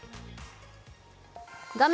画面